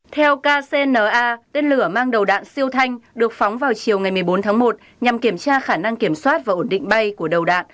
theo kcna tên lửa mang đầu đạn siêu thanh được phóng vào chiều ngày một mươi bốn tháng một nhằm kiểm tra khả năng kiểm soát và ổn định bay của đầu đạn